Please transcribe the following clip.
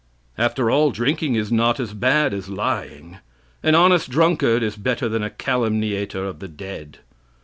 After all, drinking is not as bad as lying. An honest drunkard is better than a calumniator of the dead.